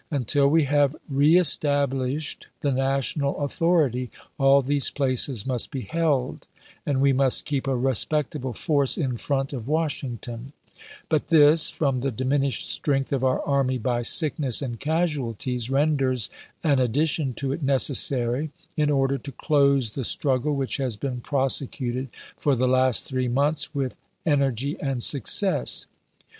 Untd we Ldncoln to Seward, June 28, 1862. MS. EMANCIPATION PKOPOSED AND POSTPONED 117 have reestablished the National authority, all these places chap, vi must be held, and we must keep a respectable force iu front of Washington. But this, from the diminished strength of our army by sickness and casualties, renders an addition to it necessary in order to close the struggle which has been prosecuted for the last three months with energy and success.